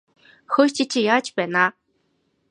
Хөөе чи чинь яаж байна аа?